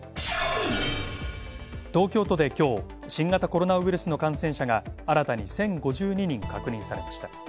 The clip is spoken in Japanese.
東京都で今日、新型コロナウイルスの感染者が新たに１０５２人確認されました。